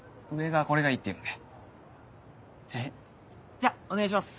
じゃあお願いします。